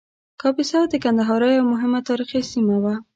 کاپیسا د ګندهارا یوه مهمه تاریخي سیمه وه